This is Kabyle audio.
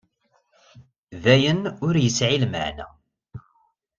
d ayen ur yesεi lmeεna.